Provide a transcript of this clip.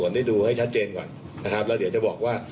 แล้วเดี๋ยวจะบอกว่า